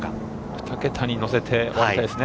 ２桁に乗せて終わりたいですね。